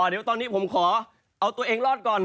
เดี๋ยวตอนนี้ผมขอเอาตัวเองรอดก่อน